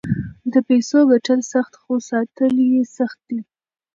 د پیسو ګټل سخت خو ساتل یې سخت دي.